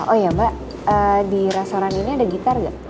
oh ya mbak di restoran ini ada gitar gak